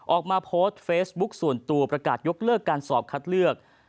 ออกมาโพสต์เฟซบุ๊คส่วนตัวประกาศยกเลิกการสอบคัดเลือก